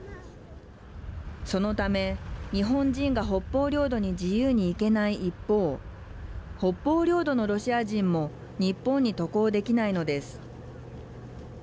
そのため、日本人が北方領土に自由に行けない一方北方領土のロシア人も日本に渡航できないのです。